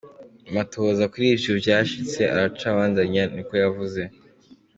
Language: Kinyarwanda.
Amatohoza kuri ivyo vyashitse aracabandanya,” ni ko yavuze.